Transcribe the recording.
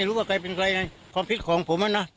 นี่ดูภาพที่วาดที่ของเขาตรงนี้เงียบ